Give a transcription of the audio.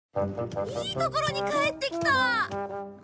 いいところに帰ってきた。